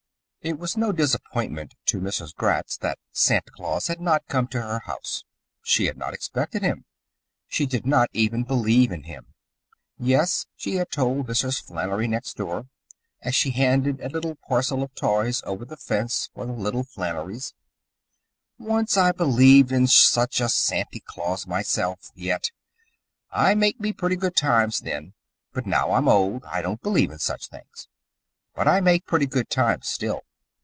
It was no disappointment to Mrs. Gratz that Santa Claus had not come to her house. She had not expected him. She did not even believe in him. "Yes," she had told Mrs. Flannery, next door, as she handed a little parcel of toys over the fence for the little Flannerys, "once I believes in such a Santy Claus myself, yet. I make me purty good times then. But now I'm too old. I don't believe in such things. But I make purty good times, still.